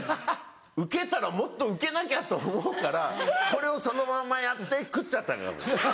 ウケたらもっとウケなきゃと思うからこれをそのまんまやって食っちゃった。